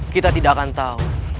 kita tidak akan tahu